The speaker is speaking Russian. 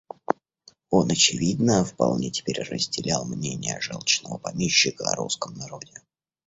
Он, очевидно, вполне теперь разделял мнение желчного помещика о русском народе.